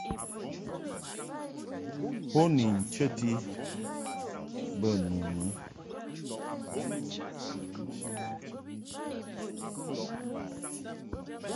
Bo ni nchəti bə nu mɨ.